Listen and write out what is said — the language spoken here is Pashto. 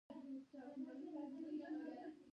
دا کيسه د هغه کس په اړه ده.